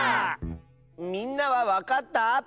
みんなはわかった？